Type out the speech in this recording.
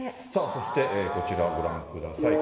そして、こちらご覧ください。